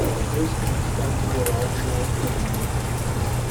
Dois cães saem do lago do oceano.